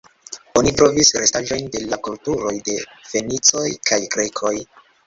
Oni trovis restaĵojn de la kulturoj de fenicoj kaj grekoj.